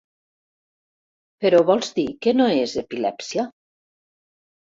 Però vols dir que no és epilèpsia?